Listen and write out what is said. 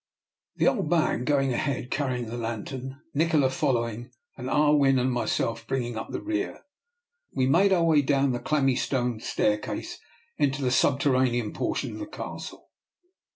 The old man going ahead carrying the lantern, Nikola following, and Ah Win and myself bringing up the rear, we made our way down the clammy stone staircase into the subterranean portion of the Castle.